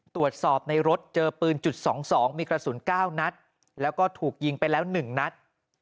ตรวจสอบในรถเจอปืนจุด๒๒มีกระสุน๙นัดแล้วก็ถูกยิงไปแล้ว๑นัด